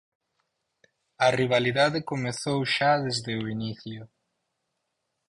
A rivalidade comezou xa desde o inicio.